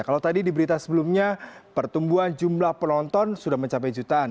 kalau tadi di berita sebelumnya pertumbuhan jumlah penonton sudah mencapai jutaan